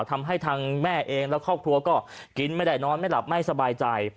ทำให้ทางแม่เองและครอบครัวก็กินไม่ได้นอนไม่หลับไม่สบายใจ